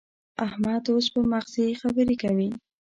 احمد اوس په مغزي خبرې کوي.